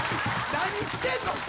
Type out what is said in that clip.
何してんの。